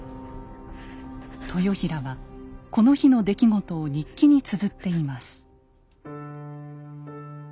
豊平はこの日の出来事を日記につづっています。